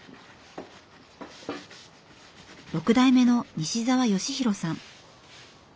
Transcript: ６代目の西澤義弘さん。